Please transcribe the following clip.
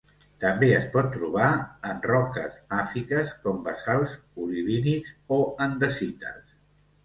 També es pot trobar en roques màfiques com basalts olivínics o andesites.